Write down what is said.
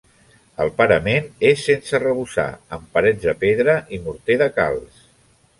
El parament és sense arrebossar, amb parets de pedra i morter de calç.